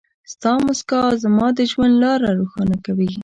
ستا مسکا زما د ژوند لاره روښانه کوي.